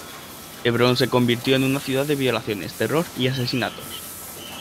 Hebrón se convirtió en una ciudad de violaciones, terror y asesinatos.